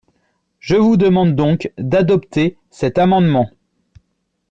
Je vous demande donc d’adopter cet amendement.